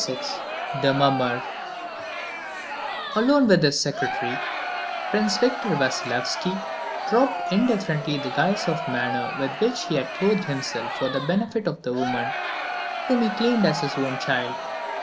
VI THE MUMMER Alone with his secretary, Prince Victor Vassilyevski dropped indifferently the guise of manner with which he had clothed himself for the benefit of the woman whom he claimed as his own child.